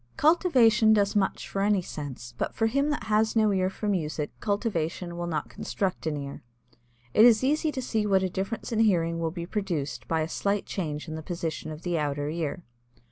Cultivation does much for any sense, but for him that has no ear for music cultivation will not construct an ear. It is easy to see what a difference in hearing will be produced by a slight change in the position of the outer ear.